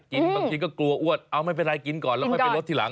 บางทีก็กลัวอ้วนเอาไม่เป็นไรกินก่อนแล้วค่อยไปลดทีหลัง